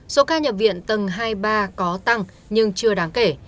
số ca nhập viện tầng hai ba có tăng nhưng chưa đáng kể